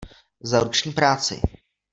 Za ruční práci!